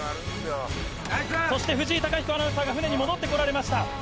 そして藤井貴彦アナウンサーが船に戻ってこられました。